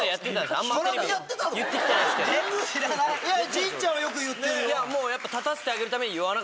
ジンちゃんはよく言ってるよ。